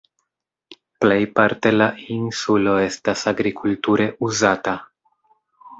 Plejparte la insulo estas agrikulture uzata.